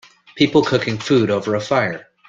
People cooking food over a fire.